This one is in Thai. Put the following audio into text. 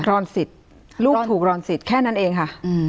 รอนสิทธิ์ลูกถูกรอนสิทธิ์แค่นั้นเองค่ะ